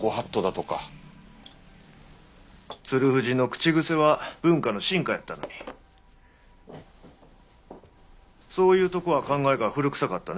鶴藤の口癖は「文化の進化」やったのにそういうとこは考えが古臭かったね。